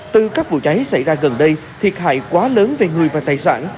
từ các vụ cháy xảy ra gần đây thiệt hại quá lớn về người và tài sản